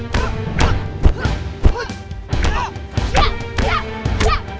tunggal tunggal tunggal